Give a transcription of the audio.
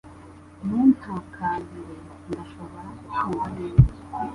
Ntuntakambire Ndashobora kukumva neza